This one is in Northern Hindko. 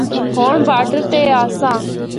ہور باڈر تے آسا۔